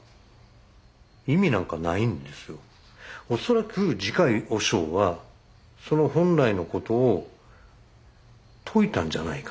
恐らく慈海和尚はその本来のことを説いたんじゃないかと。